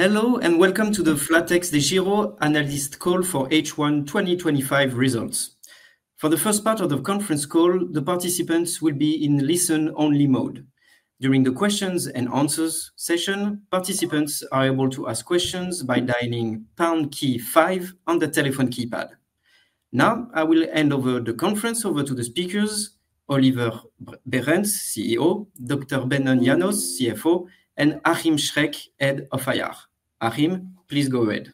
Hello and welcome to the flatexDEGIRO analyst call for H1 2025 results. For the first part of the conference call, the participants will be in listen-only mode. During the questions and answers session, participants are able to ask questions by dialing pound key five on the telephone keypad. Now, I will hand over the conference to the speakers: Oliver Behrens, CEO; Dr. Benon Janos, CFO; and Achim Schreck, Head of Investor Relations. Achim, please go ahead.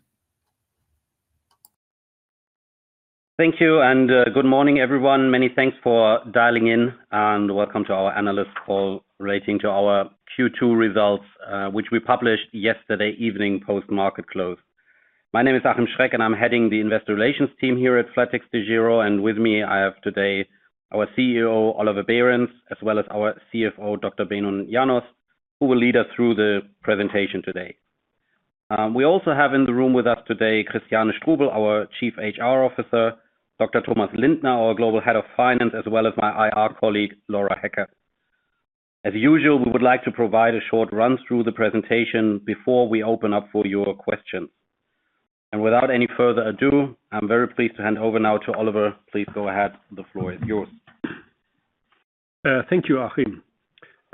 Thank you and good morning, everyone. Many thanks for dialing in and welcome to our analyst call relating to our Q2 results, which we published yesterday evening post-market close. My name is Achim Schreck and I'm heading the Investor Relations team here at flatexDEGIRO, and with me I have today our CEO, Oliver Behrens, as well as our CFO, Dr. Benon Janos, who will lead us through the presentation today. We also have in the room with us today Christiane Strubel, our Chief HR Officer, Dr. Thomas Lindner, our Global Head of Finance, as well as my IR colleague, Laura Hecker. As usual, we would like to provide a short run-through of the presentation before we open up for your questions. Without any further ado, I'm very pleased to hand over now to Oliver. Please go ahead, the floor is yours. Thank you, Achim.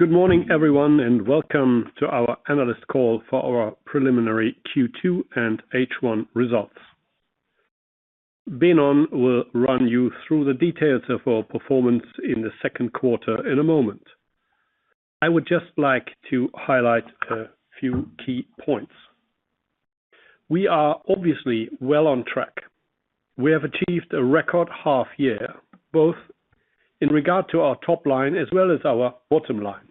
Good morning, everyone, and welcome to our analyst call for our preliminary Q2 and H1 results. Benon will run you through the details of our performance in the second quarter in a moment. I would just like to highlight a few key points. We are obviously well on track. We have achieved a record half-year, both in regard to our top line as well as our bottom line.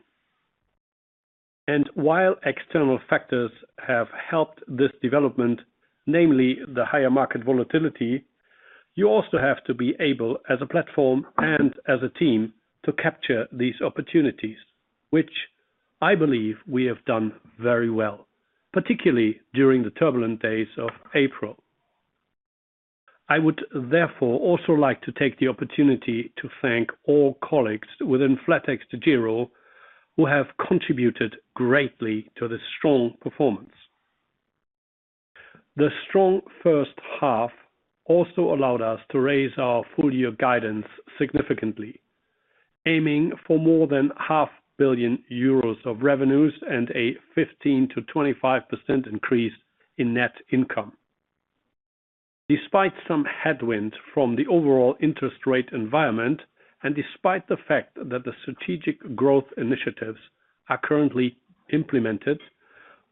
While external factors have helped this development, namely the higher market volatility, you also have to be able, as a platform and as a team, to capture these opportunities, which I believe we have done very well, particularly during the turbulent days of April. I would therefore also like to take the opportunity to thank all colleagues within flatexDEGIRO who have contributed greatly to this strong performance. The strong first half also allowed us to raise our full-year guidance significantly, aiming for more than 500 million euros of revenues and a 15%-25% increase in net income. Despite some headwind from the overall interest rate environment and despite the fact that the strategic growth initiatives are currently implemented,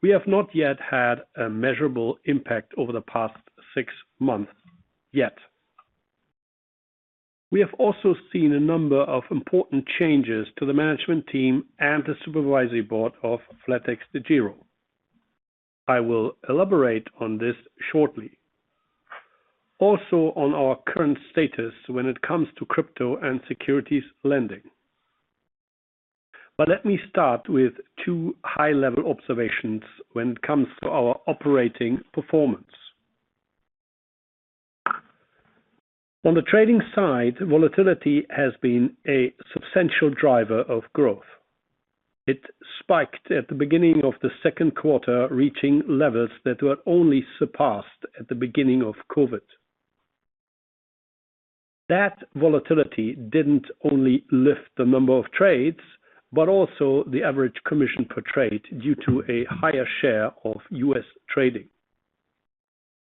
we have not yet had a measurable impact over the past six months yet. We have also seen a number of important changes to the management team and the Supervisory Board of flatexDEGIRO. I will elaborate on this shortly. Also, on our current status when it comes to crypto and securities lending. Let me start with two high-level observations when it comes to our operating performance. On the trading side, volatility has been a substantial driver of growth. It spiked at the beginning of the second quarter, reaching levels that were only surpassed at the beginning of COVID. That volatility did not only lift the number of trades, but also the average commission per trade due to a higher share of U.S. trading.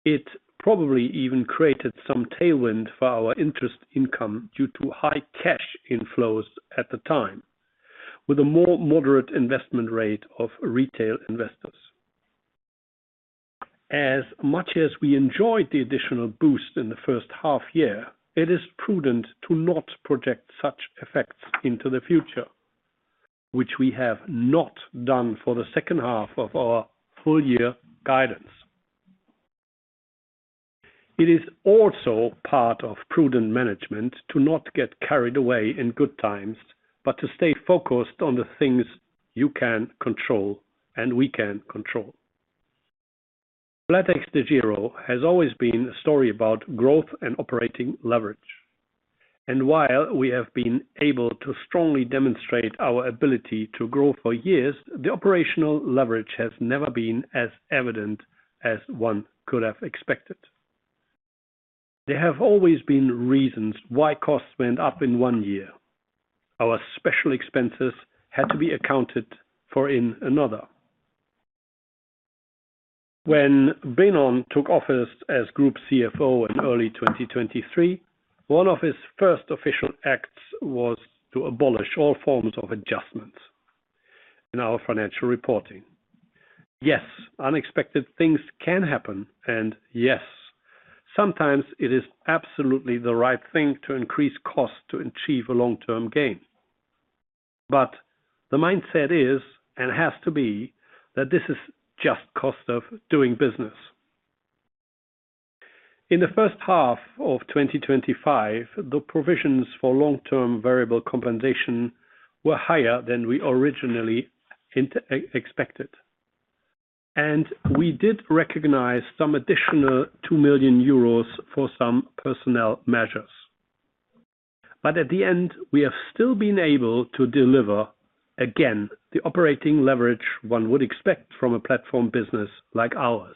It probably even created some tailwind for our interest income due to high cash inflows at the time, with a more moderate investment rate of retail investors. As much as we enjoyed the additional boost in the first half-year, it is prudent to not project such effects into the future, which we have not done for the second half of our full-year guidance. It is also part of prudent management to not get carried away in good times, but to stay focused on the things you can control and we can control. flatexDEGIRO has always been a story about growth and operating leverage. While we have been able to strongly demonstrate our ability to grow for years, the operational leverage has never been as evident as one could have expected. There have always been reasons why costs went up in one year. Our special expenses had to be accounted for in another. When Benon took office as Group CFO in early 2023, one of his first official acts was to abolish all forms of adjustments in our financial reporting. Yes, unexpected things can happen, and yes, sometimes it is absolutely the right thing to increase costs to achieve a long-term gain. The mindset is and has to be that this is just cost of doing business. In the first half of 2025, the provisions for long-term variable compensation were higher than we originally expected. We did recognize some additional 2 million euros for some personnel measures. At the end, we have still been able to deliver, again, the operating leverage one would expect from a platform business like ours.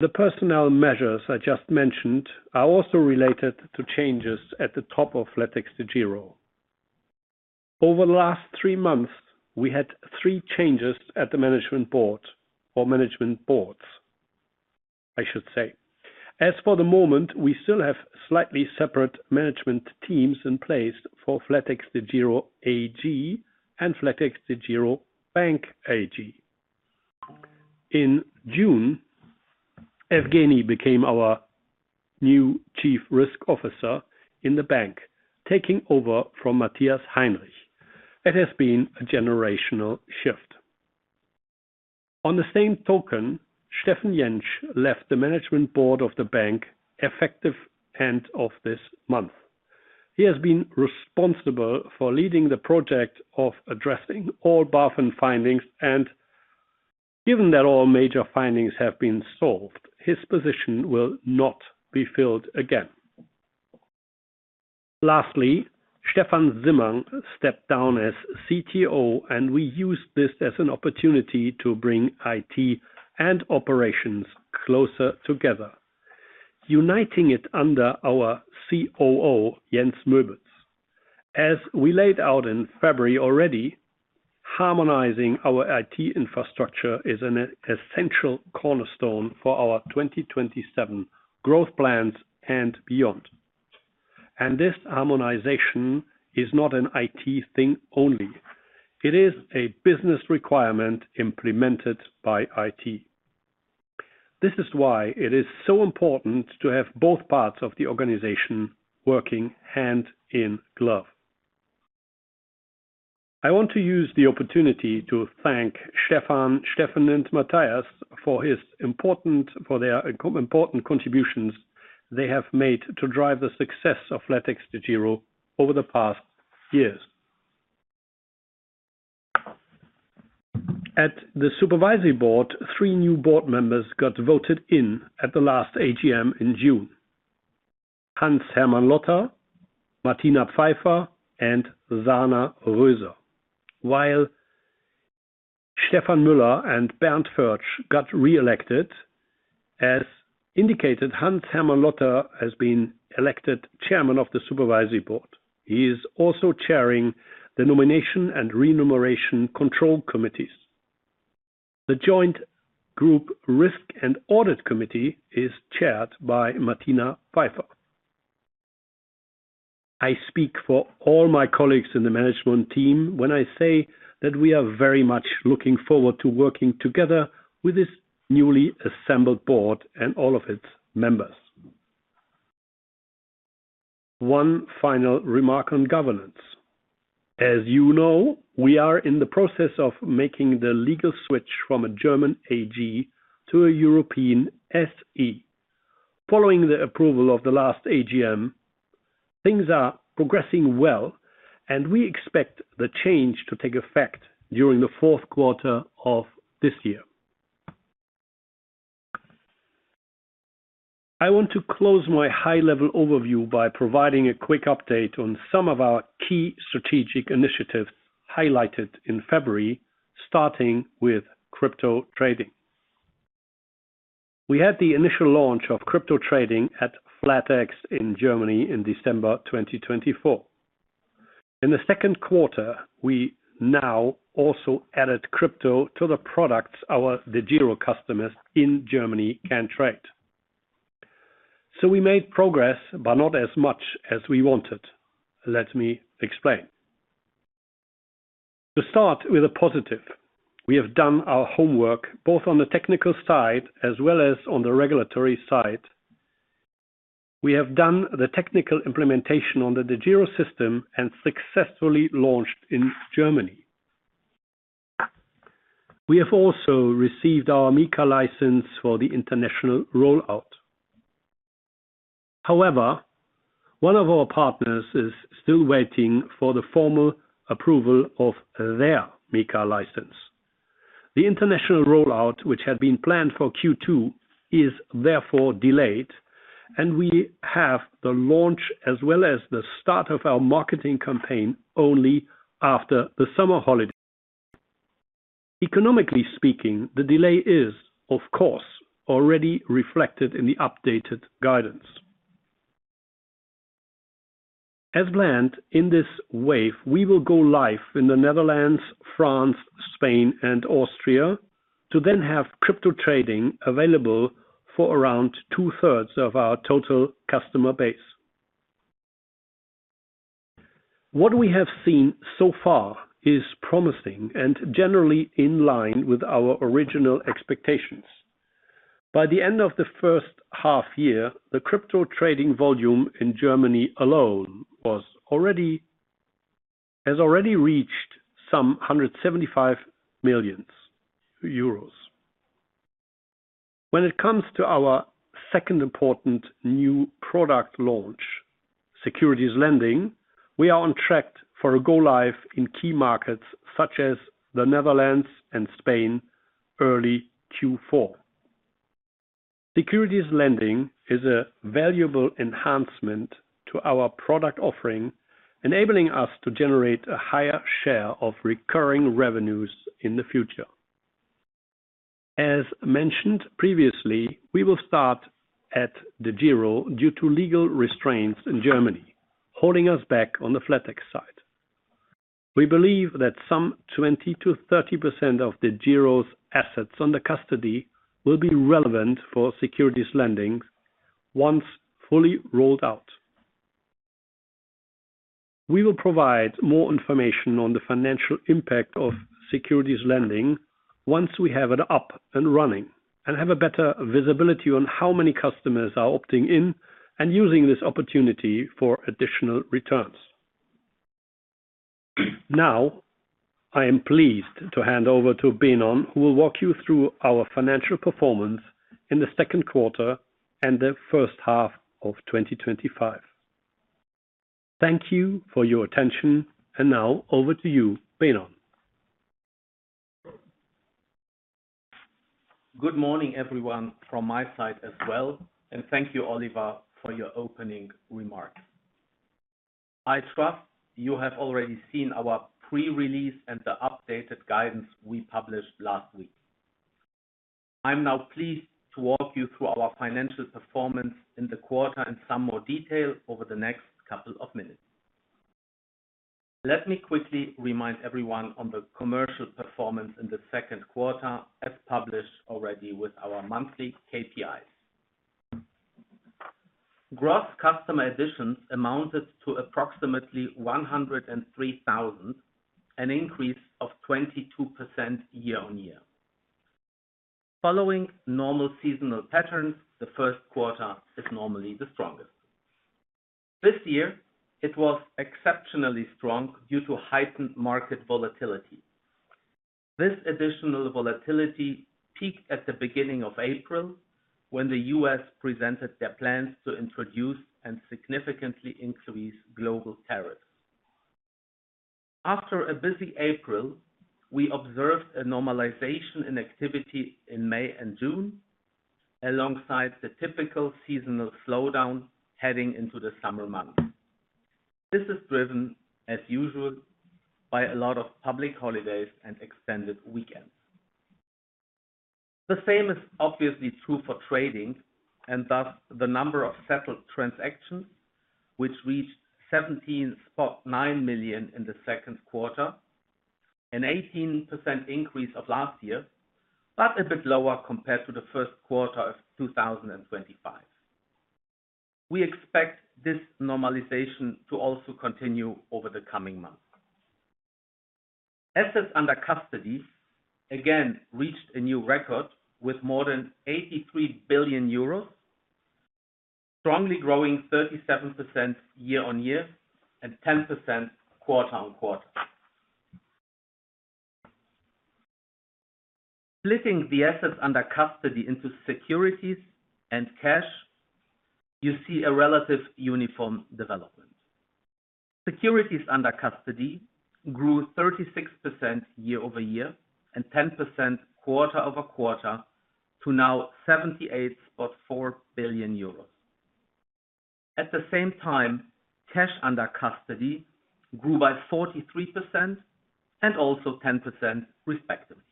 The personnel measures I just mentioned are also related to changes at the top of flatexDEGIRO. Over the last three months, we had three changes at the Management Board or Management Boards, I should say. For the moment, we still have slightly separate management teams in place for flatexDEGIRO AG and flatexDEGIRO Bank AG. In June, Evgeni became our new Chief Risk Officer in the Bank, taking over from Matthias Heinrich. It has been a generational shift. On the same token, Steffen Jentsch left the Management Board of the Bank effective end of this month. He has been responsible for leading the project of addressing all BaFin findings, and given that all major findings have been solved, his position will not be filled again. Lastly, Stephan Simmang stepped down as CTO, and we used this as an opportunity to bring IT and operations closer together, uniting it under our COO, Jens Möbitz. As we laid out in February already, harmonizing our IT infrastructure is an essential cornerstone for our 2027 growth plans and beyond. This harmonization is not an IT thing only. It is a business requirement implemented by IT. This is why it is so important to have both parts of the organization working hand in glove. I want to use the opportunity to thank Steffen, Stephan, and Matthias for their important contributions they have made to drive the success of flatexDEGIRO over the past years. At the Supervisory Board, three new board members got voted in at the last AGM in June: Hans-Hermann Lotter, Martina Pfeifer, and Sarna Röser. While Stefan Müller and Bernd Förtsch got re-elected, as indicated, Hans-Hermann Lotter has been elected Chairman of the Supervisory Board. He is also chairing the Nomination and Remuneration Control Committees. The joint Group Risk and Audit Committee is chaired by Martina Pfeifer. I speak for all my colleagues in the management team when I say that we are very much looking forward to working together with this newly assembled board and all of its members. One final remark on governance. As you know, we are in the process of making the legal switch from a German AG to a European SE. Following the approval of the last AGM, things are progressing well, and we expect the change to take effect during the fourth quarter of this year. I want to close my high-level overview by providing a quick update on some of our key strategic initiatives highlighted in February, starting with crypto trading. We had the initial launch of crypto trading at flatex in Germany in December 2024. In the second quarter, we now also added crypto to the products our DEGIRO customers in Germany can trade. We made progress, but not as much as we wanted. Let me explain. To start with a positive, we have done our homework both on the technical side as well as on the regulatory side. We have done the technical implementation on the DEGIRO system and successfully launched in Germany. We have also received our MiCAR license for the international rollout. However, one of our partners is still waiting for the formal approval of their MiCAR license. The international rollout, which had been planned for Q2, is therefore delayed, and we have the launch as well as the start of our marketing campaign only after the summer holiday. Economically speaking, the delay is, of course, already reflected in the updated guidance. As planned in this wave, we will go live in the Netherlands, France, Spain, and Austria to then have crypto trading available for around 2/3 of our total customer base. What we have seen so far is promising and generally in line with our original expectations. By the end of the first half-year, the crypto trading volume in Germany alone has already reached approximately EUR 175 million. When it comes to our second important new product launch, securities lending, we are on track for a go live in key markets such as the Netherlands and Spain early Q4. Securities lending is a valuable enhancement to our product offering, enabling us to generate a higher share of recurring revenues in the future. As mentioned previously, we will start at DEGIRO due to legal restraints in Germany, holding us back on the flatex side. We believe that some 20%-30% of DEGIRO's assets under custody will be relevant for securities lending once fully rolled out. We will provide more information on the financial impact of securities lending once we have it up and running and have better visibility on how many customers are opting in and using this opportunity for additional returns. Now, I am pleased to hand over to Benon, who will walk you through our financial performance in the second quarter and the first half of 2025. Thank you for your attention, and now over to you, Benon. Good morning, everyone, from my side as well, and thank you, Oliver, for your opening remarks. I trust you have already seen our pre-release and the updated guidance we published last week. I'm now pleased to walk you through our financial performance in the quarter in some more detail over the next couple of minutes. Let me quickly remind everyone on the commercial performance in the second quarter as published already with our monthly KPIs. Gross customer additions amounted to approximately 103,000, an increase of 22% year on year. Following normal seasonal patterns, the first quarter is normally the strongest. This year, it was exceptionally strong due to heightened market volatility. This additional volatility peaked at the beginning of April when the U.S. presented their plans to introduce and significantly increase global tariffs. After a busy April, we observed a normalization in activity in May and June, alongside the typical seasonal slowdown heading into the summer months. This is driven, as usual, by a lot of public holidays and extended weekends. The same is obviously true for trading, and thus the number of settled transactions, which reached 17.9 million in the second quarter, an 18% increase over last year, but a bit lower compared to the first quarter of 2025. We expect this normalization to also continue over the coming months. Assets under custody again reached a new record with more than 83 billion euros, strongly growing 37% year on year and 10% quarter on quarter. Splitting the assets under custody into securities and cash, you see a relatively uniform development. Securities under custody grew 36% year-over-year and 10% quarter-over-quarter to now 78.4 billion euros. At the same time, cash under custody grew by 43% and also 10% respectively.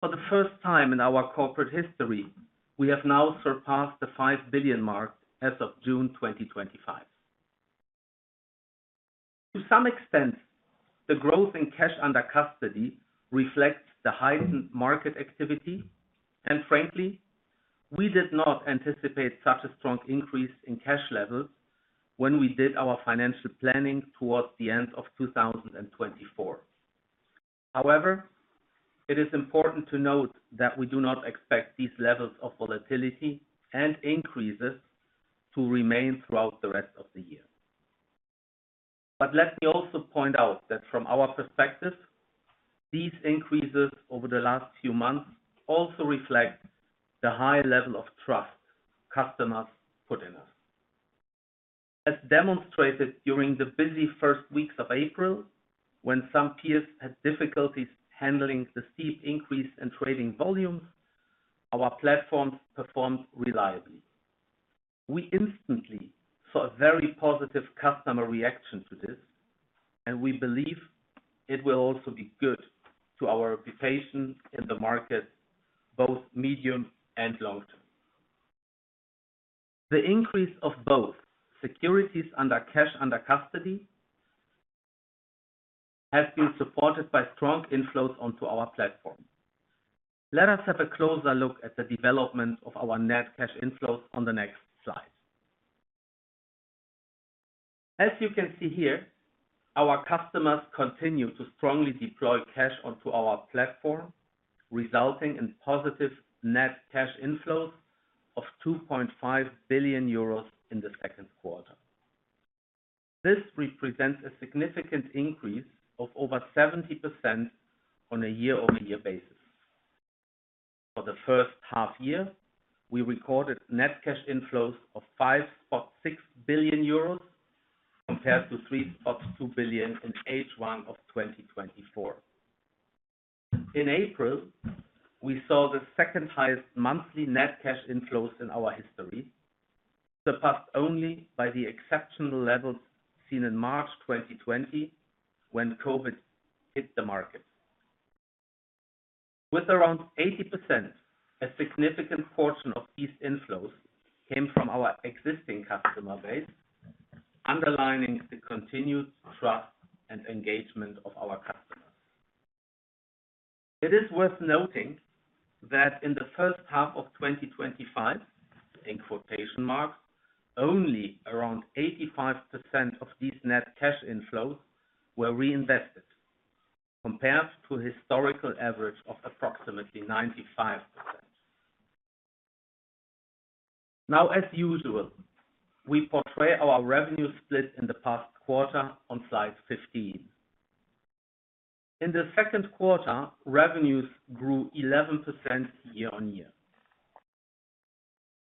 For the first time in our corporate history, we have now surpassed the 5 billion mark as of June 2025. To some extent, the growth in cash under custody reflects the heightened market activity, and frankly, we did not anticipate such a strong increase in cash levels when we did our financial planning towards the end of 2024. However, it is important to note that we do not expect these levels of volatility and increases to remain throughout the rest of the year. Let me also point out that from our perspective, these increases over the last few months also reflect the high level of trust customers put in us. As demonstrated during the busy first weeks of April, when some peers had difficulties handling the steep increase in trading volumes, our platforms performed reliably. We instantly saw a very positive customer reaction to this, and we believe it will also be good to our reputation in the market, both medium and long term. The increase of both securities and cash under custody has been supported by strong inflows onto our platform. Let us have a closer look at the development of our net cash inflows on the next slide. As you can see here, our customers continue to strongly deploy cash onto our platform, resulting in positive net cash inflows of 2.5 billion euros in the second quarter. This represents a significant increase of over 70% on a year-over-year basis. For the first half-year, we recorded net cash inflows of 5.6 billion euros compared to 3.2 billion in H1 of 2024. In April, we saw the second highest monthly net cash inflows in our history, surpassed only by the exceptional levels seen in March 2020 when COVID hit the market. With around 80%, a significant portion of these inflows came from our existing customer base, underlining the continued trust and engagement of our customers. It is worth noting that in the first half of 2025, in quotation marks, only around 85% of these net cash inflows were reinvested, compared to a historical average of approximately 95%. Now, as usual, we portray our revenue split in the past quarter on slide 15. In the second quarter, revenues grew 11% year on year.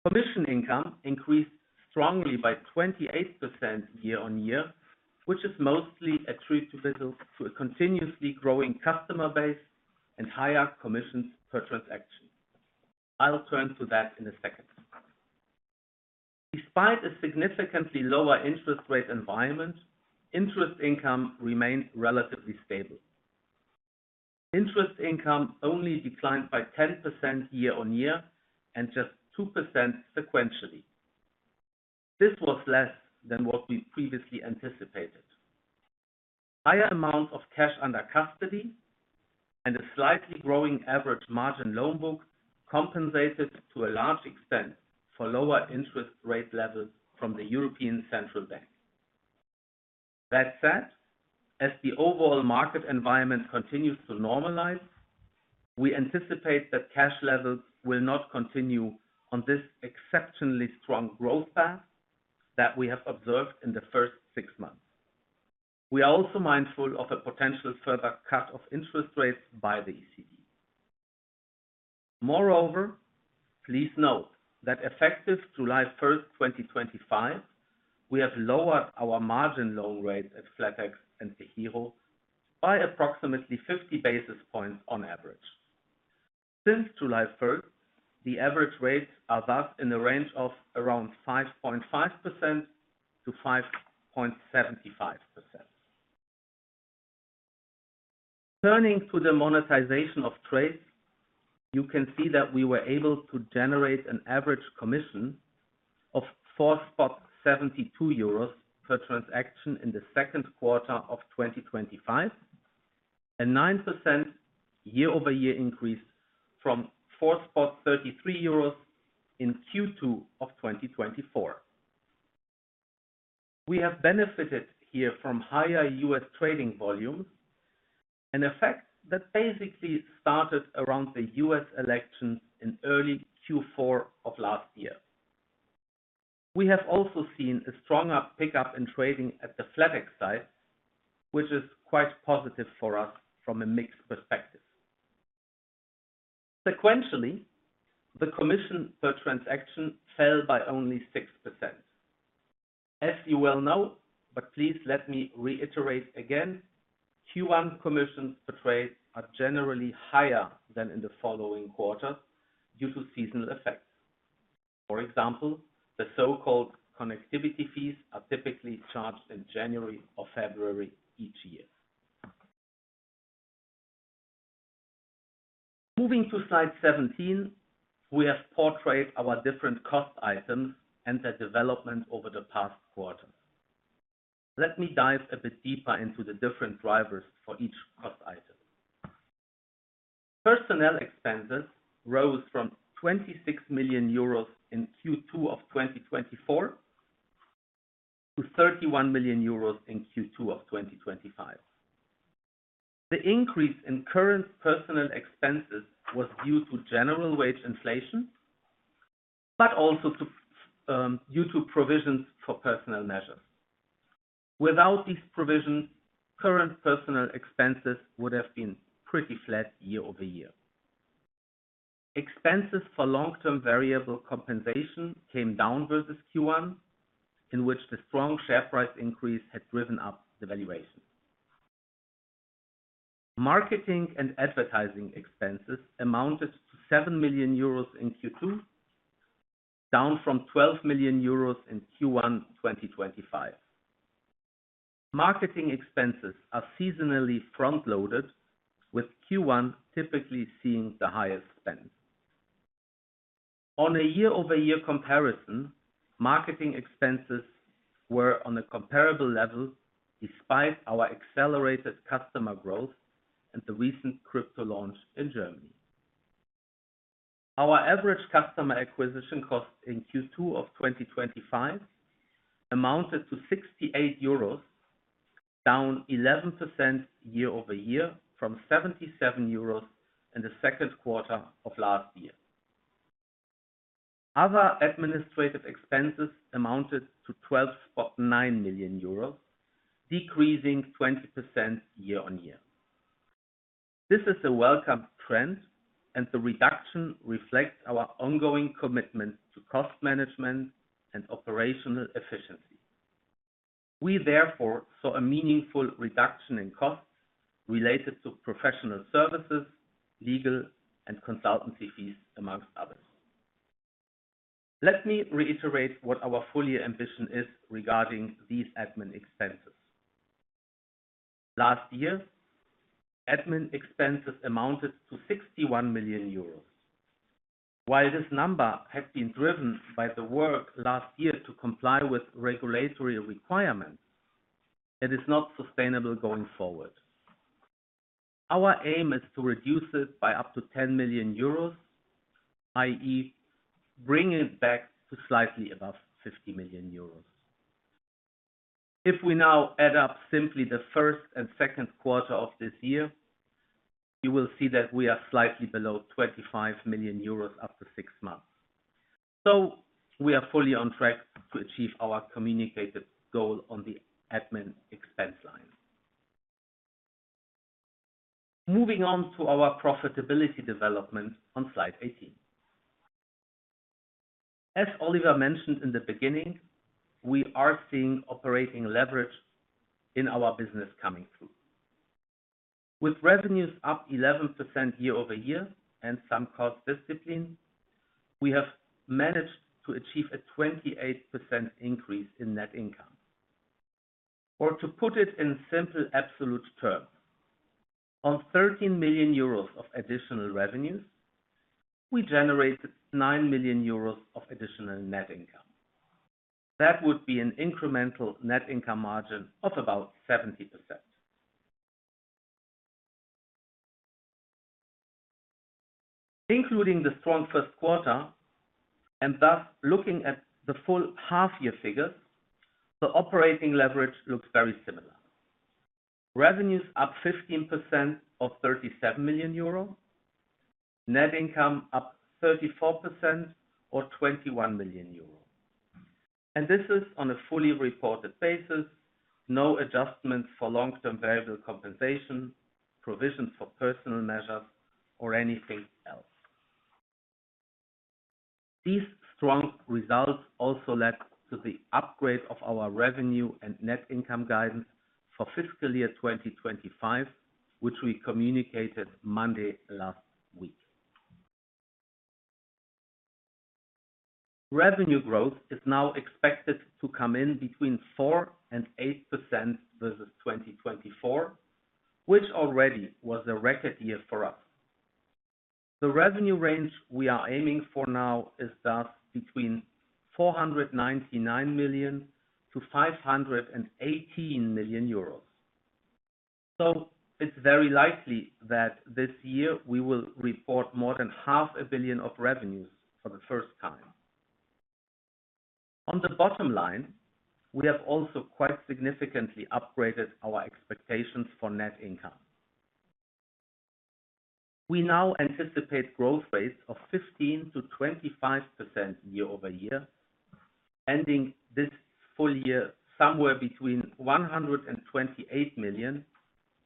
Commission income increased strongly by 28% year on year, which is mostly attributable to a continuously growing customer base and higher commissions per transaction. I'll turn to that in a second. Despite a significantly lower interest rate environment, interest income remained relatively stable. Interest income only declined by 10% year on year and just 2% sequentially. This was less than what we previously anticipated. Higher amounts of cash under custody and a slightly growing average margin loan book compensated to a large extent for lower interest rate levels from the European Central Bank. That said, as the overall market environment continues to normalize, we anticipate that cash levels will not continue on this exceptionally strong growth path that we have observed in the first six months. We are also mindful of a potential further cut of interest rates by the ECB. Moreover, please note that effective July 1st 2025, we have lowered our margin loan rates at flatex and DEGIRO by approximately 50 basis points on average. Since July 1st, the average rates are thus in the range of around 5.5%-5.75%. Turning to the monetization of trades, you can see that we were able to generate an average commission of 4.72 euros per transaction in the second quarter of 2025, and a 9% year-over-year increase from 4.33 euros in Q2 of 2024. We have benefited here from higher U.S. trading volumes, an effect that basically started around the U.S. elections in early Q4 of last year. We have also seen a stronger pickup in trading at the flatex side, which is quite positive for us from a mixed perspective. Sequentially, the commission per transaction fell by only 6%. As you well know, but please let me reiterate again, Q1 commissions per trade are generally higher than in the following quarters due to seasonal effects. For example, the so-called connectivity fees are typically charged in January or February each year. Moving to slide 17, we have portrayed our different cost items and their development over the past quarter. Let me dive a bit deeper into the different drivers for each cost item. Personnel expenses rose from 26 million euros in Q2 of 2024 to 31 million euros in Q2 of 2025. The increase in current personnel expenses was due to general wage inflation, but also due to provisions for personnel measures. Without these provisions, current personnel expenses would have been pretty flat year-over-year. Expenses for long-term variable compensation came down versus Q1, in which the strong share price increase had driven up the valuation. Marketing and advertising expenses amounted to 7 million euros in Q2, down from 12 million euros in Q1 2025. Marketing expenses are seasonally front-loaded, with Q1 typically seeing the highest spend. On a year-over-year comparison, marketing expenses were on a comparable level despite our accelerated customer growth and the recent crypto launch in Germany. Our average customer acquisition cost in Q2 of 2025 amounted to 68 euros, down 11% year-over-year from 77 euros in the second quarter of last year. Other administrative expenses amounted to 12.9 million euros, decreasing 20% year on year. This is a welcome trend, and the reduction reflects our ongoing commitment to cost management and operational efficiency. We therefore saw a meaningful reduction in costs related to professional services, legal, and consultancy fees, amongst others. Let me reiterate what our full-year ambition is regarding these admin expenses. Last year, admin expenses amounted to 61 million euros. While this number has been driven by the work last year to comply with regulatory requirements, it is not sustainable going forward. Our aim is to reduce it by up to 10 million euros, i.e., bringing it back to slightly above 50 million euros. If we now add up simply the first and second quarter of this year, you will see that we are slightly below 25 million euros after six months. We are fully on track to achieve our communicated goal on the admin expense line. Moving on to our profitability development on slide 18. As Oliver mentioned in the beginning, we are seeing operating leverage in our business coming through. With revenues up 11% year-over-year and some cost discipline, we have managed to achieve a 28% increase in net income. To put it in simple absolute terms, on 13 million euros of additional revenues, we generated 9 million euros of additional net income. That would be an incremental net income margin of about 70%. Including the strong first quarter and thus looking at the full half-year figures, the operating leverage looks very similar. Revenues up 15% or 37 million euro, net income up 34% or 21 million euro. This is on a fully reported basis, no adjustments for long-term variable compensation, provisions for personnel measures, or anything else. These strong results also led to the upgrade of our revenue and net income guidance for fiscal year 2025, which we communicated Monday last week. Revenue growth is now expected to come in between 4% and 8% versus 2024, which already was a record year for us. The revenue range we are aiming for now is thus between 499 million-518 million euros. It is very likely that this year we will report more than 500 million of revenues for the first time. On the bottom line, we have also quite significantly upgraded our expectations for net income. We now anticipate growth rates of 15%-25% year-over-year, ending this full year somewhere between 128 million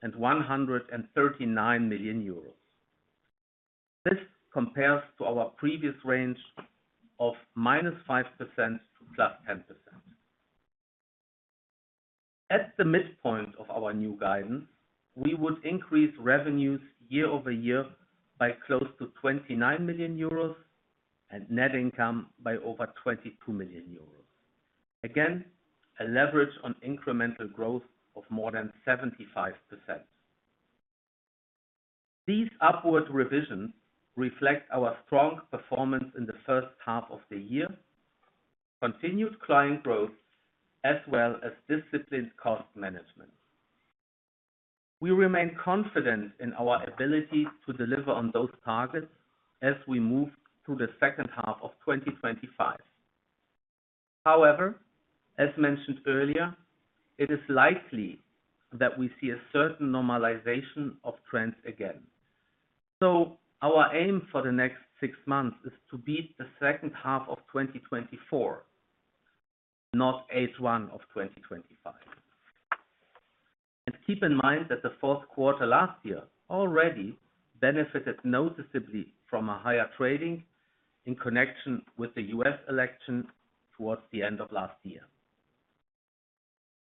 and 139 million euros. This compares to our previous range of -5% to +10%. At the midpoint of our new guidance, we would increase revenues year-over-year by close to 29 million euros and net income by over 22 million euros. Again, a leverage on incremental growth of more than 75%. These upward revisions reflect our strong performance in the first half of the year, continued client growth, as well as disciplined cost management. We remain confident in our ability to deliver on those targets as we move through the second half of 2025. However, as mentioned earlier, it is likely that we see a certain normalization of trends again. Our aim for the next six months is to beat the second half of 2024, not H1 of 2025. Keep in mind that the fourth quarter last year already benefited noticeably from higher trading in connection with the U.S. election towards the end of last year.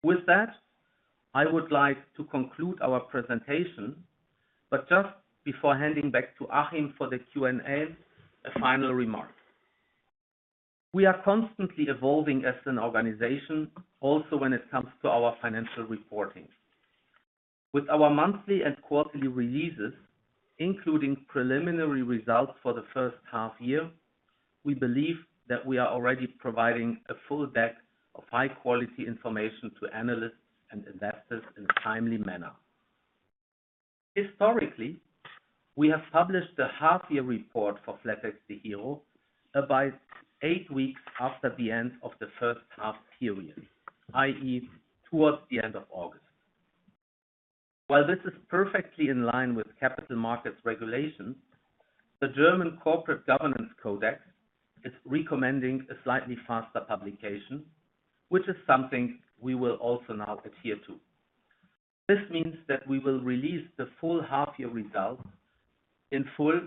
With that, I would like to conclude our presentation, but just before handing back to Achim for the Q&A, a final remark. We are constantly evolving as an organization, also when it comes to our financial reporting. With our monthly and quarterly releases, including preliminary results for the first half-year, we believe that we are already providing a full deck of high-quality information to analysts and investors in a timely manner. Historically, we have published a half-year report for flatexDEGIRO AG about eight weeks after the end of the first half period, i.e., towards the end of August. While this is perfectly in line with capital markets regulations, the German corporate governance codex is recommending a slightly faster publication, which is something we will also now adhere to. This means that we will release the full half-year results in full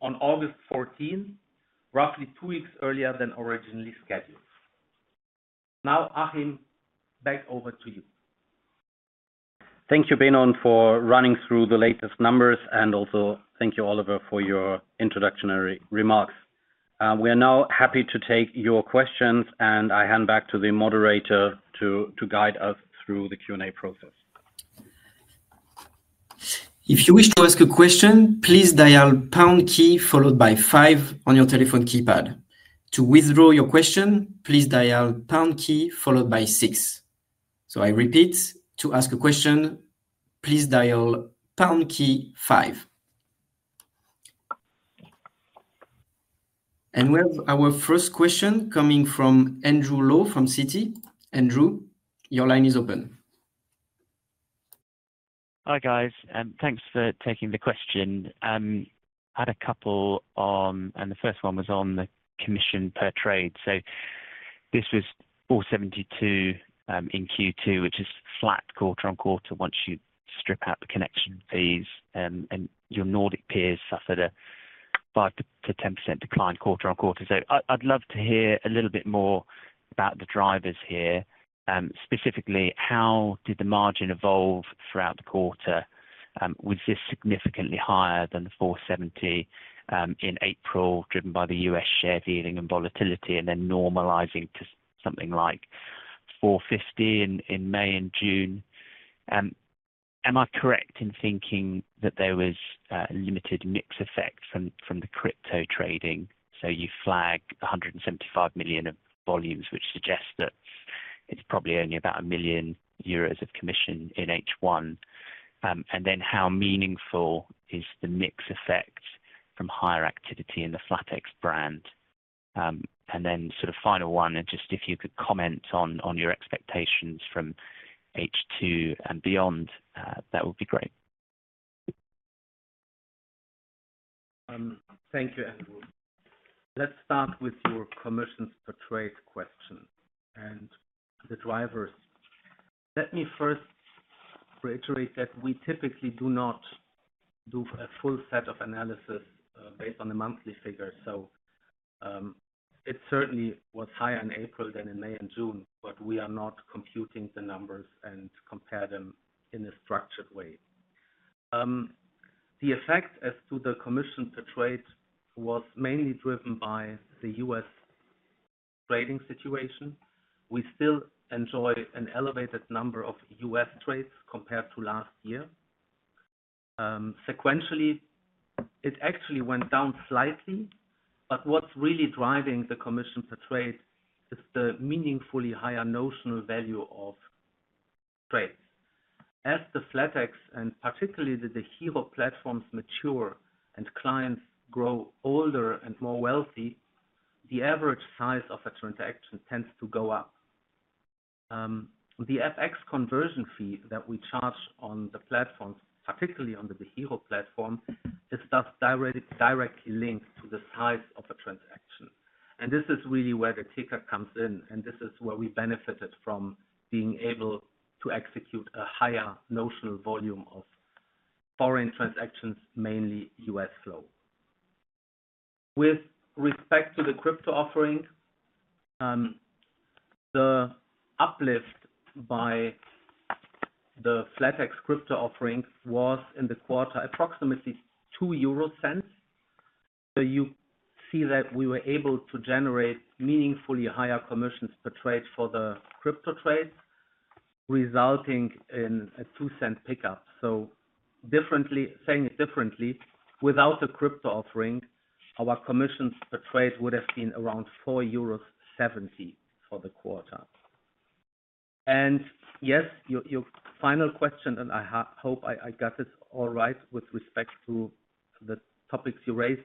on August 14th, roughly two weeks earlier than originally scheduled. Now, Achim, back over to you. Thank you, Benon, for running through the latest numbers, and also thank you, Oliver, for your introductory remarks. We are now happy to take your questions, and I hand back to the moderator to guide us through the Q&A process. If you wish to ask a question, please dial pound key followed by five on your telephone keypad. To withdraw your question, please dial pound key followed by six. I repeat, to ask a question, please dial pound key five. We have our first question coming from Andrew Lowe from Citi. Andrew, your line is open. Hi guys, and thanks for taking the question. I had a couple on, and the first one was on the commission per trade. This was 4.72 in Q2, which is flat quarter on quarter once you strip out the connection fees, and your Nordic peers suffered a 5%-10% decline quarter on quarter. I'd love to hear a little bit more about the drivers here. Specifically, how did the margin evolve throughout the quarter? Was this significantly higher than the 4.70 in April, driven by the U.S. share dealing and volatility, and then normalizing to something like 4.50 in May and June? Am I correct in thinking that there was a limited mix effect from the crypto trading? You flag 175 million of volumes, which suggests that it's probably only about 1 million euros of commission in H1. How meaningful is the mix effect from higher activity in the flatex brand? Final one, if you could comment on your expectations from H2 and beyond, that would be great. Thank you, everyone. Let's start with your commissions per trade question and the drivers. Let me first reiterate that we typically do not do a full set of analysis based on the monthly figures. It certainly was higher in April than in May and June, but we are not computing the numbers and comparing them in a structured way. The effect as to the commission per trade was mainly driven by the U.S. trading situation. We still enjoy an elevated number of U.S. trades compared to last year. Sequentially, it actually went down slightly, but what's really driving the commission per trade is the meaningfully higher notional value of trades. As the flatex and particularly the DEGIRO platforms mature and clients grow older and more wealthy, the average size of a transaction tends to go up. The FX conversion fee that we charge on the platforms, particularly on the DEGIRO platform, is thus directly linked to the size of a transaction. This is really where the kicker comes in, and this is where we benefited from being able to execute a higher notional volume of foreign transactions, mainly U.S. flow. With respect to the crypto offering, the uplift by the flatex crypto offering was in the quarter approximately 0.02. You see that we were able to generate meaningfully higher commissions per trade for the crypto trades, resulting in a 0.02 pickup. Saying it differently, without the crypto offering, our commissions per trade would have been around 4.70 euros for the quarter. Yes, your final question, and I hope I got this all right with respect to the topics you raised,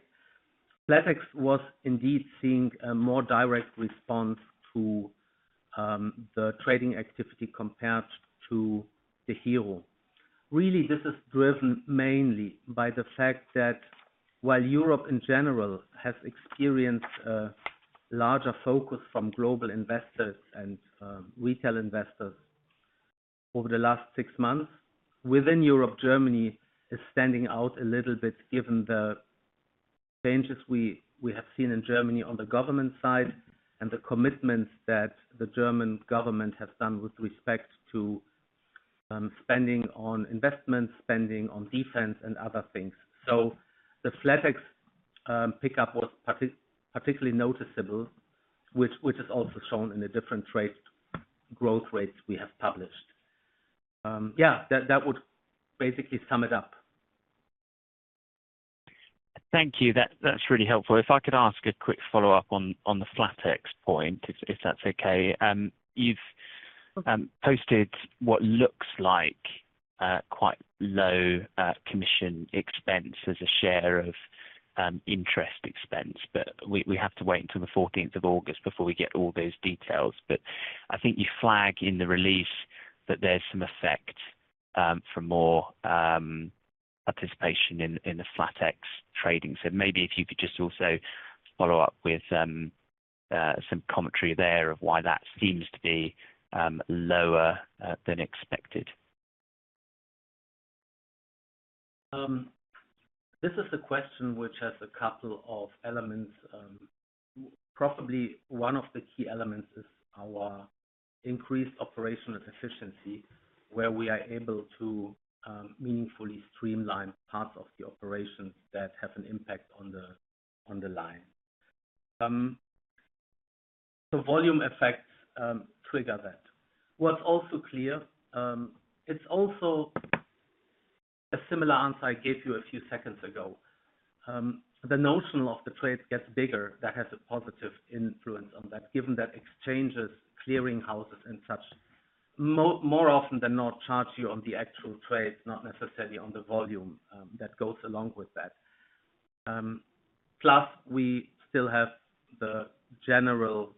flatex was indeed seeing a more direct response to the trading activity compared to DEGIRO. This is driven mainly by the fact that while Europe in general has experienced a larger focus from global investors and retail investors over the last six months, within Europe, Germany is standing out a little bit given the changes we have seen in Germany on the government side and the commitments that the German government has done with respect to spending on investments, spending on defense, and other things. The flatex pickup was particularly noticeable, which is also shown in the different growth rates we have published. That would basically sum it up. Thank you. That's really helpful. If I could ask a quick follow-up on the flatex point, if that's okay. You've posted what looks like quite low commission expense as a share of interest expense, but we have to wait until 14th of August before we get all those details. I think you flag in the release that there's some effect from more participation in the flatex trading. Maybe if you could just also follow up with some commentary there of why that seems to be lower than expected. This is a question which has a couple of elements. Probably one of the key elements is our increased operational efficiency, where we are able to meaningfully streamline parts of the operations that have an impact on the line. The volume effects trigger that. What's also clear, it's also a similar answer I gave you a few seconds ago. The notion of the trades gets bigger. That has a positive influence on that, given that exchanges, clearing houses, and such more often than not charge you on the actual trades, not necessarily on the volume that goes along with that. Plus, we still have the general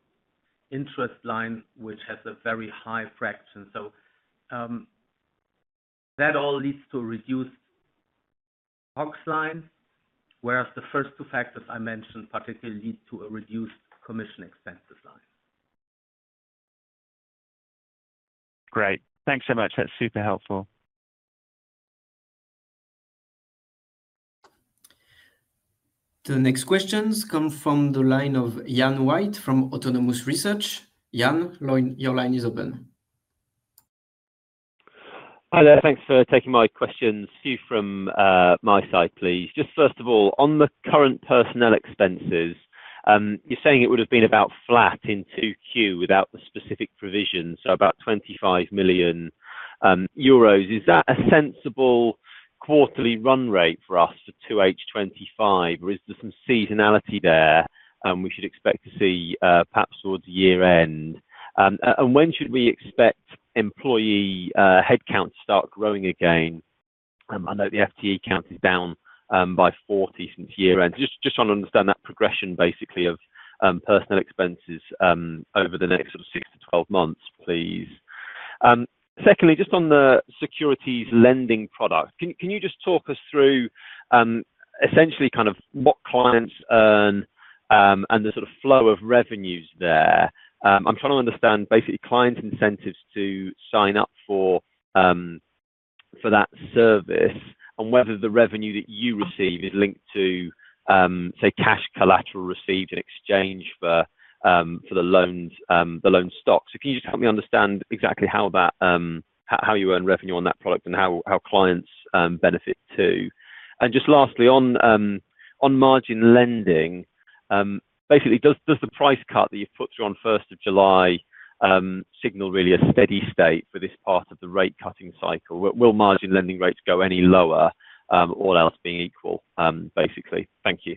interest line, which has a very high fraction. That all leads to a reduced box line, whereas the first two factors I mentioned particularly lead to a reduced commission expenses line. Great. Thanks so much. That's super helpful. The next questions come from the line of Ian White from Autonomous Research. Ian, your line is open. Hi there. Thanks for taking my questions. A few from my side, please. First of all, on the current personnel expenses, you're saying it would have been about flat in 2Q without the specific provisions, so about 25 million euros. Is that a sensible quarterly run rate for us to 2H 2025, or is there some seasonality we should expect to see perhaps towards year-end? When should we expect employee headcount to start growing again? I know the FTE count is down by 40 since year-end. I'm just trying to understand that progression, basically, of personnel expenses over the next 6 to 12 months, please. Secondly, on the securities lending product, can you talk us through essentially what clients earn and the sort of flow of revenues there? I'm trying to understand clients' incentives to sign up for that service and whether the revenue that you receive is linked to, say, cash collateral received in exchange for the loan stock. Can you help me understand exactly how you earn revenue on that product and how clients benefit too? Lastly, on margin lending, does the price cut that you put through on 1st of July signal a steady state for this part of the rate-cutting cycle? Will margin lending rates go any lower, all else being equal, basically? Thank you.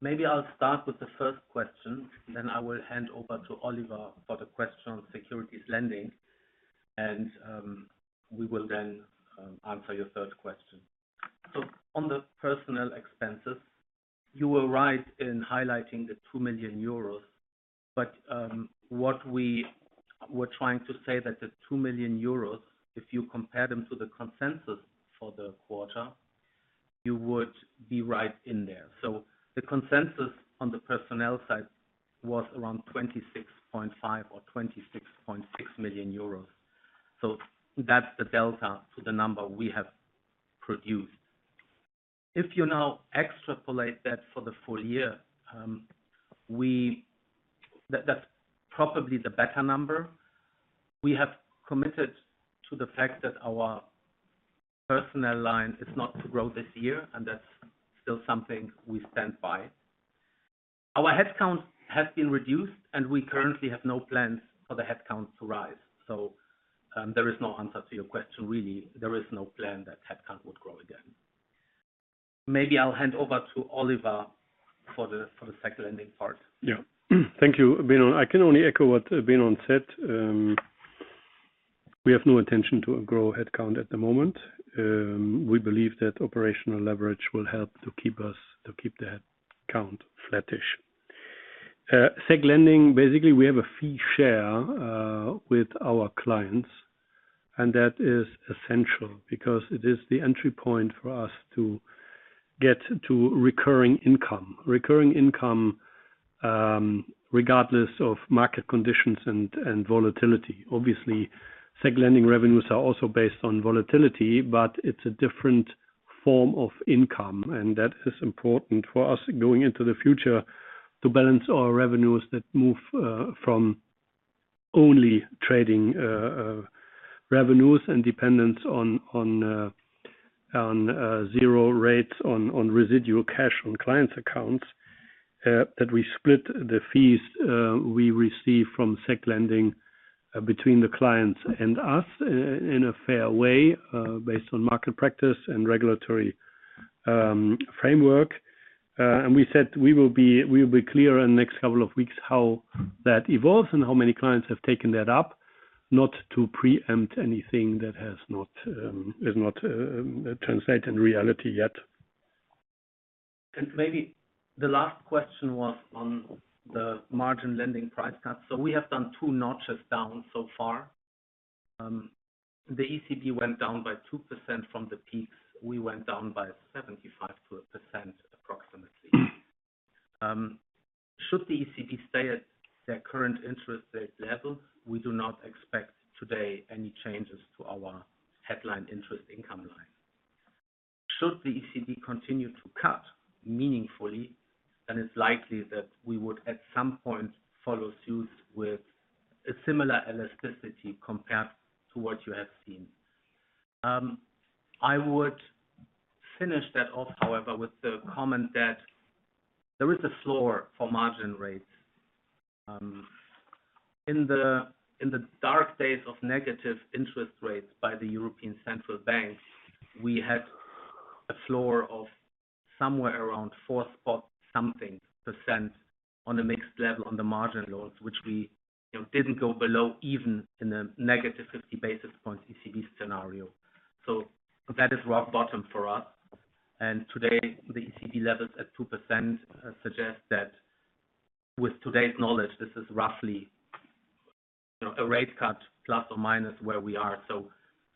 Maybe I'll start with the first question, then I will hand over to Oliver for the question on securities lending, and we will then answer your third question. On the personnel expenses, you were right in highlighting the 2 million euros, but what we were trying to say is that the 2 million euros, if you compare them to the consensus for the quarter, you would be right in there. The consensus on the personnel side was around 26.5 million or 26.6 million euros. That's the delta to the number we have produced. If you now extrapolate that for the full year, that's probably the better number. We have committed to the fact that our personnel line is not to grow this year, and that's still something we stand by. Our headcount has been reduced, and we currently have no plans for the headcount to rise. There is no answer to your question, really. There is no plan that headcount would grow again. Maybe I'll hand over to Oliver for the second ending part. Yeah. Thank you, Benon. I can only echo what Benon said. We have no intention to grow headcount at the moment. We believe that operational leverage will help to keep the headcount flattish. Securities lending, basically, we have a fee share with our clients, and that is essential because it is the entry point for us to get to recurring income, recurring income regardless of market conditions and volatility. Obviously, securities lending revenues are also based on volatility, but it's a different form of income, and that is important for us going into the future to balance our revenues that move from only trading revenues and dependence on zero rates on residual cash on clients' accounts, that we split the fees we receive from securities lending between the clients and us in a fair way based on market practice and regulatory framework. We said we will be clear in the next couple of weeks how that evolves and how many clients have taken that up, not to preempt anything that has not translated in reality yet. Maybe the last question was on the margin lending price cuts. We have done two notches down so far. The ECB went down by 2% from the peaks. We went down by 75%, approximately. Should the ECB stay at their current interest rate level, we do not expect today any changes to our headline interest income line. Should the ECB continue to cut meaningfully, then it's likely that we would at some point follow suit with a similar elasticity compared to what you have seen. I would finish that off, however, with the comment that there is a floor for margin rates. In the dark days of negative interest rates by the European Central Bank, we had a floor of somewhere around 4-point-something percent on a mixed level on the margin loans, which we didn't go below even in a -50 basis points ECB scenario. That is rock bottom for us. Today, the ECB levels at 2% suggest that with today's knowledge, this is roughly a rate cut plus or minus where we are.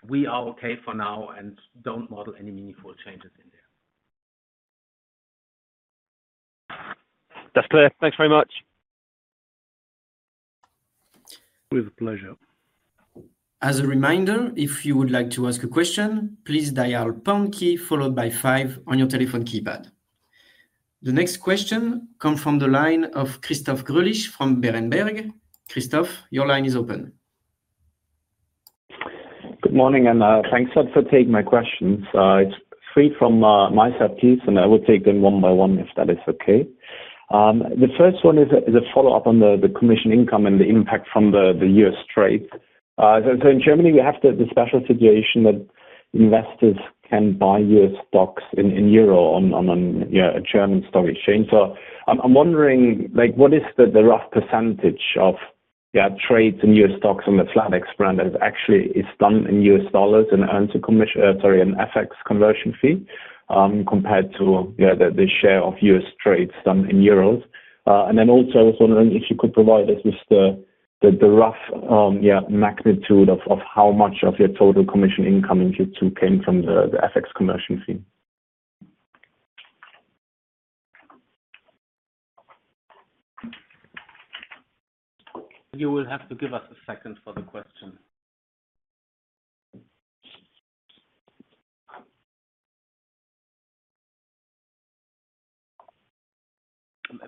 We are okay for now and don't model any meaningful changes in there. That's clear. Thanks very much. It was a pleasure. As a reminder, if you would like to ask a question, please dial the pound key followed by five on your telephone keypad. The next question comes from the line of Christoph Greulich from Berenberg. Christoph, your line is open. Good morning, and thanks for taking my questions. It's three from my side, please, and I will take them one by one if that is okay. The first one is a follow-up on the commission income and the impact from the U.S. trades. In Germany, we have the special situation that investors can buy U.S. stocks in euro on a German stock exchange. I'm wondering, what is the rough percentage of trades in U.S. stocks on the flatex brand that actually is done in U.S. dollars and earned a commission, sorry, an FX conversion fee compared to the share of U.S. trades done in euros? I was also wondering if you could provide us with the rough magnitude of how much of your total commission income in Q2 came from the FX conversion fee. You will have to give us a second for the question.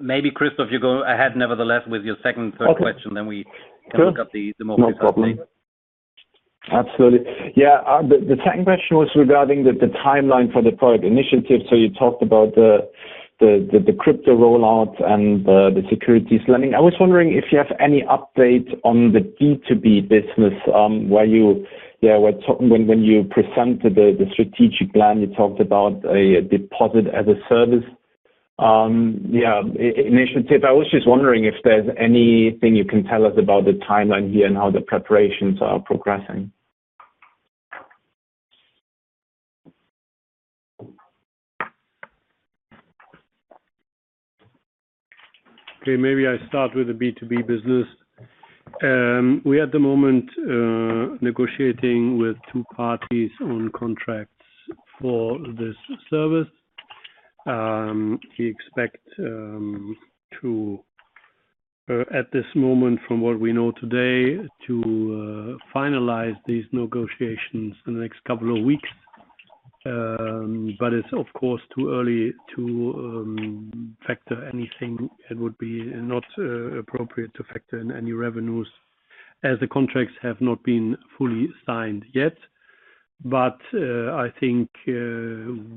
Maybe, Christoph, you go ahead nevertheless with your second and third question, then we can look at the more detailed questions. Absolutely. Yeah. The second question was regarding the timeline for the product initiative. You talked about the crypto rollout and the securities lending. I was wondering if you have any update on the B2B business where you were talking when you presented the strategic plan. You talked about a deposit-as-a-service initiative. I was just wondering if there's anything you can tell us about the timeline here and how the preparations are progressing. Okay. Maybe I start with the B2B business. We are at the moment negotiating with two parties on contracts for this service. We expect to, at this moment, from what we know today, to finalize these negotiations in the next couple of weeks. It is, of course, too early to factor anything. It would be not appropriate to factor in any revenues as the contracts have not been fully signed yet. I think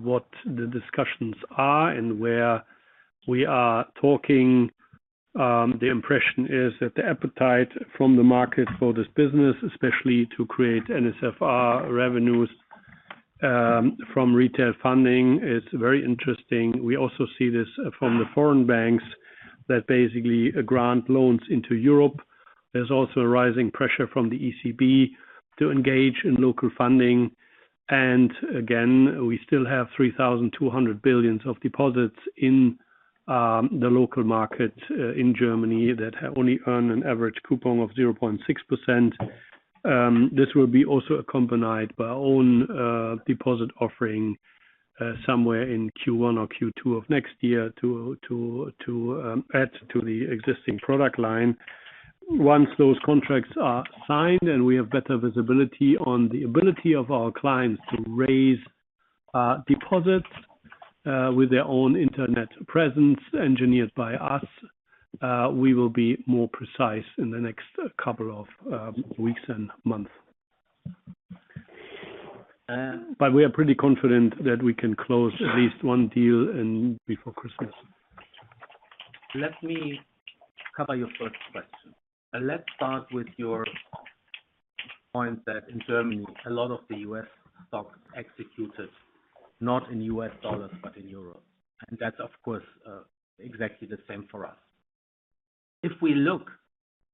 what the discussions are and where we are talking, the impression is that the appetite from the market for this business, especially to create NSFR revenues from retail funding, is very interesting. We also see this from the foreign banks that basically grant loans into Europe. There is also a rising pressure from the ECB to engage in local funding. We still have 3.2 billion of deposits in the local market in Germany that only earn an average coupon of 0.6%. This will also be accompanied by our own deposit offering somewhere in Q1 or Q2 of next year to add to the existing product line. Once those contracts are signed and we have better visibility on the ability of our clients to raise deposits with their own internet presence engineered by us, we will be more precise in the next couple of weeks and months. We are pretty confident that we can close at least one deal before Christmas. Let me cover your first question. Let's start with your point that in Germany, a lot of the U.S. stocks are executed not in U.S. dollars, but in euros. That's, of course, exactly the same for us. If we look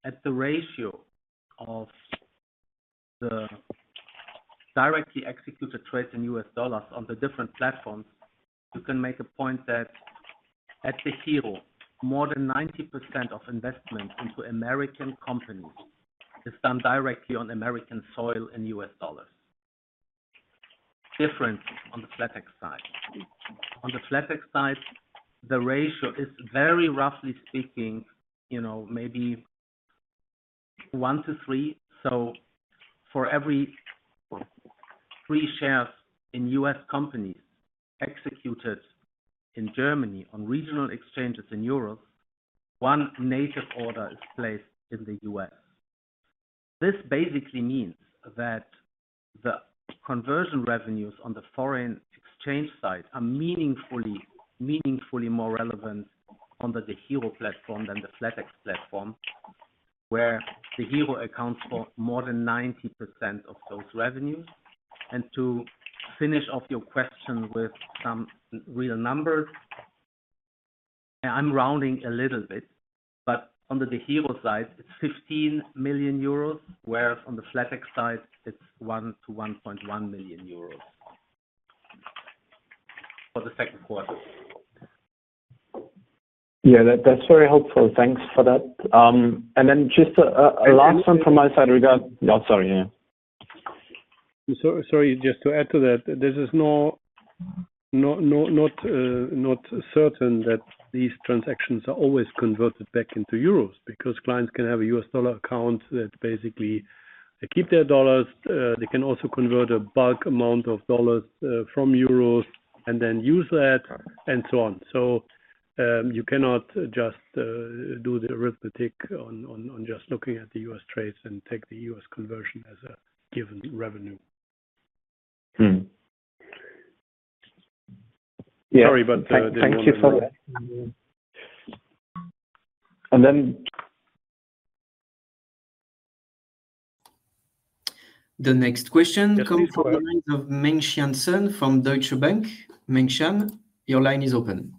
at the ratio of the directly executed trades in U.S. dollars on the different platforms, you can make a point that at DEGIRO, more than 90% of investment into American companies is done directly on American soil in U.S. dollars. It's different on the flatex side. On the flatex side, the ratio is very roughly speaking, you know, maybe one to three. For every three shares in U.S. companies executed in Germany on regional exchanges in euros, one native order is placed in the U.S. This basically means that the conversion revenues on the foreign exchange side are meaningfully more relevant under the DEGIRO platform than the flatex platform, where DEGIRO accounts for more than 90% of those revenues. To finish off your question with some real numbers, I'm rounding a little bit, but on the DEGIRO side, it's 15 million euros, whereas on the flatex side, it's 1 million-1.1 million euros for the second quarter. Yeah, that's very helpful. Thanks for that. Just a last one from my side regarding--oh, sorry. Sorry, just to add to that, it is not certain that these transactions are always converted back into euros because clients can have a U.S. dollar account that basically keeps their dollars. They can also convert a bulk amount of dollars from euros and then use that and so on. You cannot just do the arithmetic on just looking at the U.S. trades and take the U.S. conversion as a given revenue. Yeah. Sorry, but there's no— Thank you for that. And then. The next question comes from the lines of Mengxian Sun from Deutsche Bank. Mengxian, your line is open.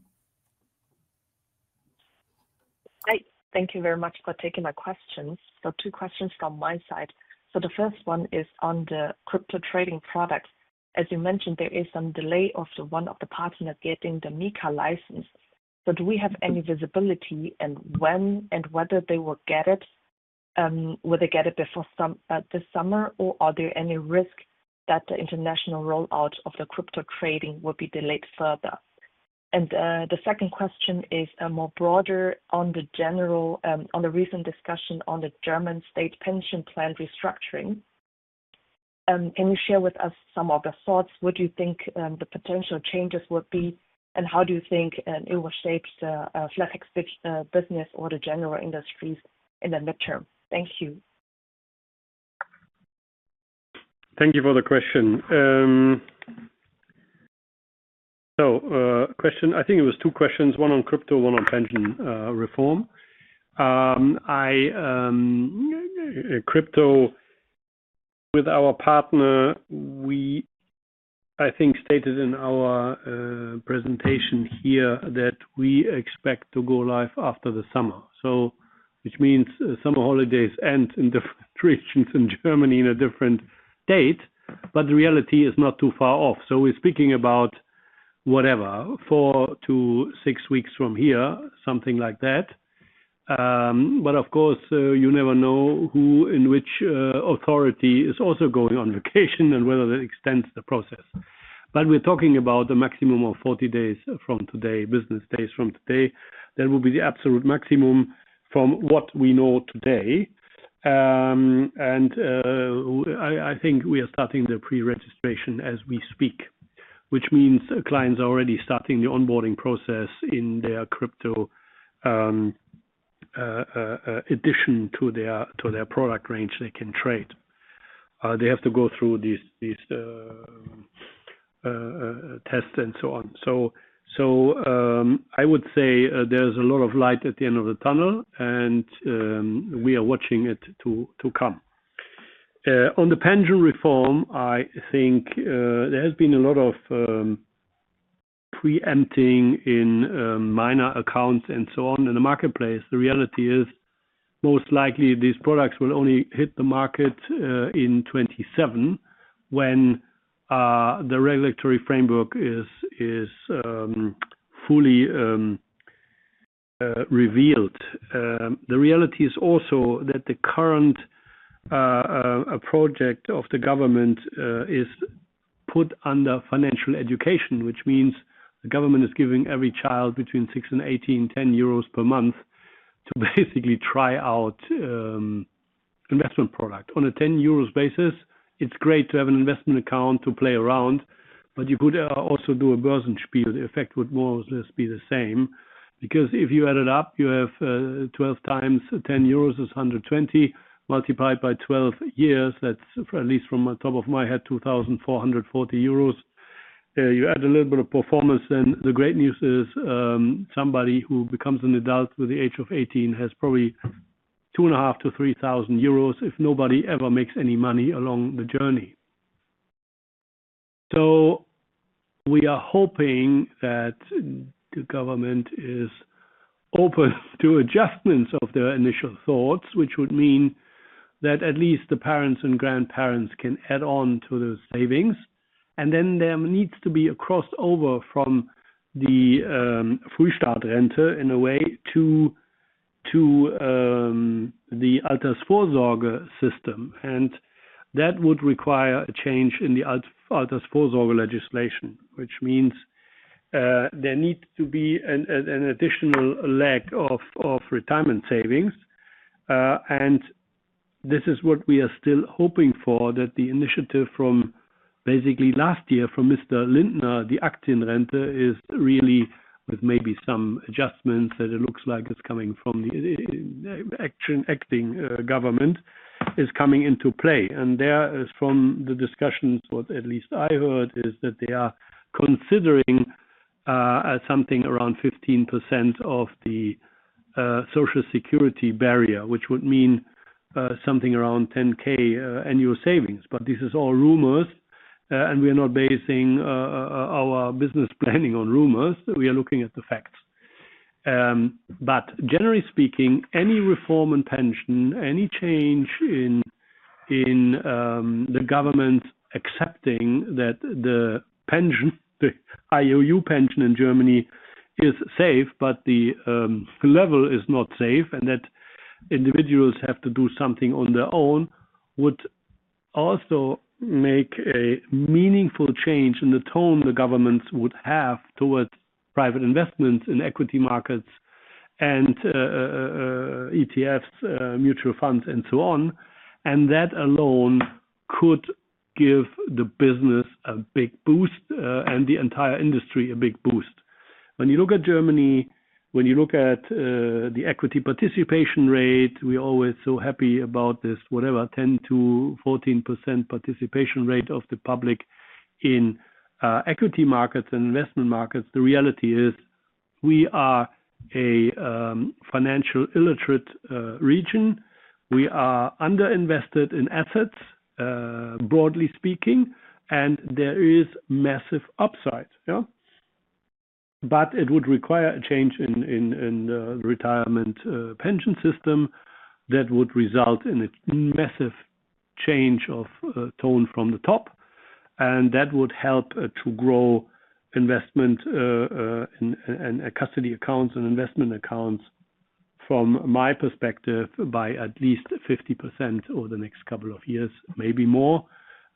Hi. Thank you very much for taking my questions. Two questions from my side. The first one is on the crypto trading product. As you mentioned, there is some delay of one of the partners getting the MiCAR license. Do we have any visibility on when and whether they will get it? Will they get it before this summer, or are there any risks that the international rollout of the crypto trading will be delayed further? The second question is broader on the recent discussion on the German state pension plan restructuring. Can you share with us some of your thoughts? What do you think the potential changes would be, and how do you think it will shape the flatex business or the general industries in the midterm? Thank you. Thank you for the question. I think it was two questions, one on crypto, one on pension reform. Crypto, with our partner, we stated in our presentation here that we expect to go live after the summer, which means summer holidays end in different regions in Germany on a different date, but the reality is not too far off. We're speaking about, whatever, four to six weeks from here, something like that. Of course, you never know which authority is also going on vacation and whether that extends the process. We're talking about a maximum of 40 days from today business days from today. That will be the absolute maximum from what we know today. I think we are starting the pre-registration as we speak, which means clients are already starting the onboarding process in their crypto addition to their product range they can trade. They have to go through these tests and so on. I would say there's a lot of light at the end of the tunnel, and we are watching it to come. On the pension reform, I think there has been a lot of preempting in minor accounts and so on in the marketplace. The reality is most likely these products will only hit the market in 2027 when the regulatory framework is fully revealed. The reality is also that the current project of the government is put under financial education, which means the government is giving every child between 6 and 18, 10 euros per month to basically try out an investment product. On a 10 euros basis, it's great to have an investment account to play around, but you could also do a Börsenspiel. The effect would more or less be the same because if you add it up, you have 12 x 10 euros is 120 multiplied by 12 years. That's at least from the top of my head, 2,440 euros. You add a little bit of performance, and the great news is somebody who becomes an adult with the age of 18 has probably 2,500-3,000 euros if nobody ever makes any money along the journey. We are hoping that the government is open to adjustments of their initial thoughts, which would mean that at least the parents and grandparents can add on to those savings. There needs to be a crossover from the Frühstart-Rente in a way to the Altersvorsorge system. That would require a change in the Altersvorsorge legislation, which means there needs to be an additional leg of retirement savings. This is what we are still hoping for, that the initiative from basically last year from Mr. Lindner, the Aktienrente is really, with maybe some adjustments that it looks like are coming from the acting government, coming into play. There is, from the discussions, what at least I heard, that they are considering something around 15% of the Social Security barrier, which would mean something around 10,000 annual savings. This is all rumors, and we are not basing our business planning on rumors. We are looking at the facts. Generally speaking, any reform in pension, any change in the government accepting that the pension, the [IOU] pension in Germany, is safe but the level is not safe, and that individuals have to do something on their own, would also make a meaningful change in the tone the governments would have towards private investments in equity markets and ETFs, mutual funds, and so on. That alone could give the business a big boost and the entire industry a big boost. When you look at Germany, when you look at the equity participation rate, we are always so happy about this, whatever, 10%-14% participation rate of the public in equity markets and investment markets. The reality is we are a financial illiterate region. We are underinvested in assets, broadly speaking, and there is massive upside. Yeah. It would require a change in the retirement pension system that would result in a massive change of tone from the top. That would help to grow investment and custody accounts and investment accounts, from my perspective, by at least 50% over the next couple of years, maybe more.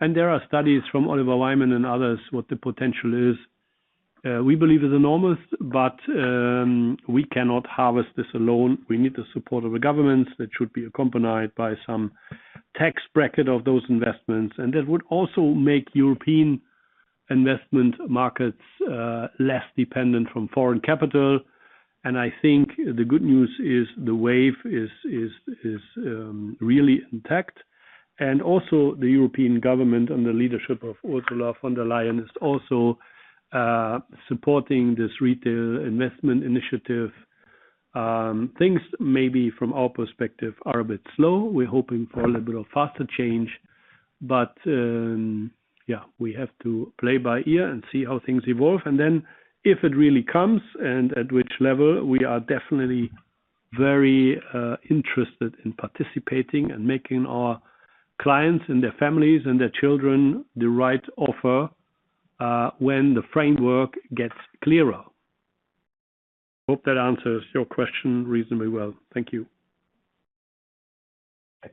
There are studies from Oliver Wyman and others on what the potential is. We believe it's enormous, but we cannot harvest this alone. We need the support of the governments. That should be accompanied by some tax bracket of those investments. That would also make European investment markets less dependent on foreign capital. I think the good news is the wave is really intact. Also, the European government under the leadership of Ursula von der Leyen is supporting this retail investment initiative. Things, maybe from our perspective, are a bit slow. We're hoping for a little bit of faster change. We have to play by ear and see how things evolve. If it really comes and at which level, we are definitely very interested in participating and making our clients and their families and their children the right offer when the framework gets clearer. I hope that answers your question reasonably well. Thank you.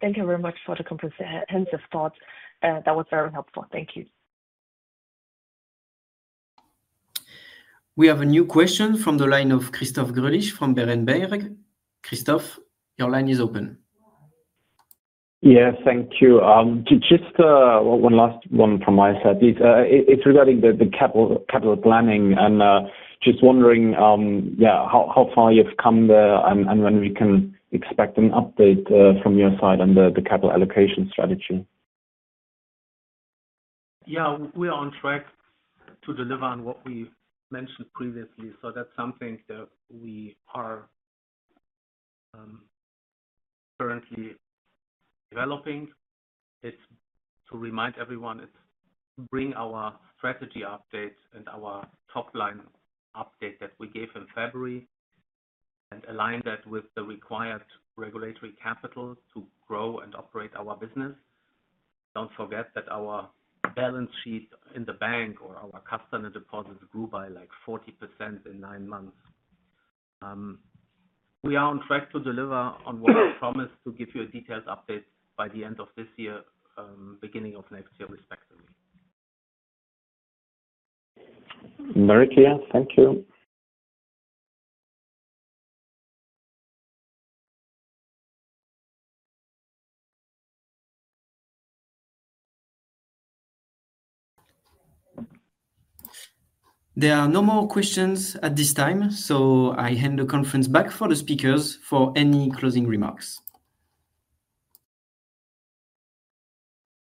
Thank you very much for the comprehensive thought. That was very helpful. Thank you. We have a new question from the line of Christoph Greulich from Berenberg. Christoph, your line is open. Thank you. Just one last one from my side. It's regarding the capital planning and just wondering how far you've come there and when we can expect an update from your side on the capital allocation strategy. Yeah, we are on track to deliver on what we mentioned previously. That's something that we are currently developing. To remind everyone, it's bring our strategy updates and our top line update that we gave in February and align that with the required regulatory capital to grow and operate our business. Don't forget that our balance sheet in the bank or our customer deposits grew by like 40% in nine months. We are on track to deliver on what I promised to give you a detailed update by the end of this year, beginning of next year, respectively. Very clear. Thank you. There are no more questions at this time, so I hand the conference back to the speakers for any closing remarks.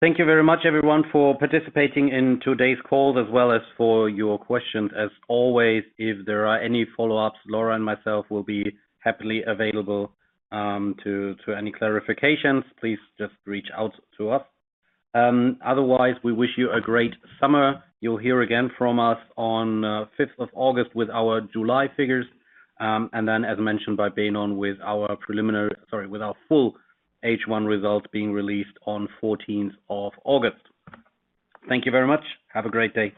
Thank you very much, everyone, for participating in today's calls as well as for your questions. As always, if there are any follow-ups, Laura and myself will be happily available to any clarifications. Please just reach out to us. Otherwise, we wish you a great summer. You'll hear again from us on the 5th of August with our July figures. As mentioned by Benon, with our full H1 result being released on the 14th of August. Thank you very much. Have a great day.